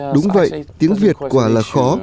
đúng vậy tiếng việt quả là khó